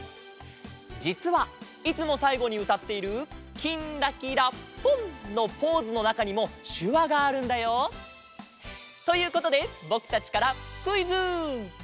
じつはいつもさいごにうたっている「きんらきらぽん」のポーズのなかにもしゅわがあるんだよ。ということでぼくたちからクイズ！